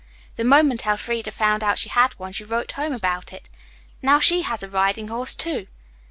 The moment Elfreda found out she had one, she wrote home about it. Now she has a riding horse, too."